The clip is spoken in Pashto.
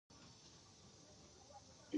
جمال، کمال ته زنګ وکړ.